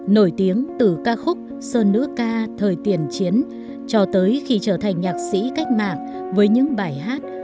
nổi tiếng từ ca khúc sơn nữ ca thời tiền chiến cho tới khi trở thành nhạc sĩ cách mạng với những bài hát